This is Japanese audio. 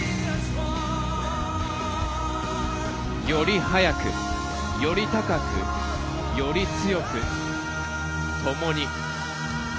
「より速く、より高く、より強く、共に」。